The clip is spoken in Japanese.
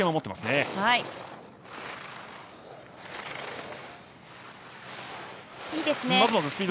いいですね。